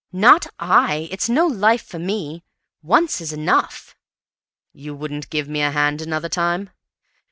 "Not I! It's no life for me. Once is enough!" "You wouldn't give me a hand another time?"